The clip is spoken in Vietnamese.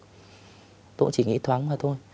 tôi cũng chỉ nghĩ thoáng mà thôi